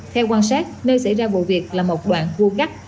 theo quan sát nơi xảy ra vụ việc là một đoạn vô cắt